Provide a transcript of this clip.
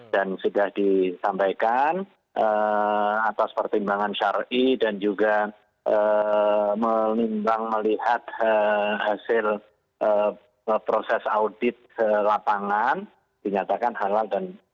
dan sudah disampaikan atas pertimbangan syarih dan juga melihat hasil proses audit lapangan dinyatakan halal